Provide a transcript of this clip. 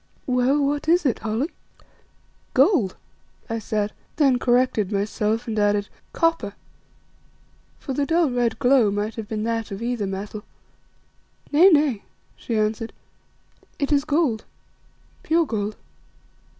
"Well, what is it, Holly?" "Gold," I said, then corrected myself and added, "Copper," for the dull, red glow might have been that of either metal. "Nay, nay," she answered, "it is gold, pure gold."